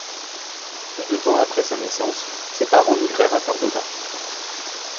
Peu de temps après sa naissance, ses parents migrèrent à Córdoba.